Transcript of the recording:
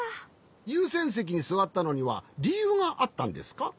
ゆうせんせきにすわったのにはりゆうがあったんですか？